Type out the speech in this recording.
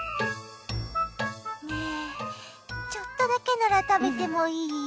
ねぇちょっとだけなら食べてもいい？